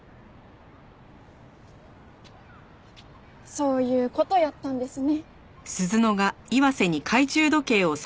そういう事やったんですね。